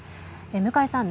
向井さん。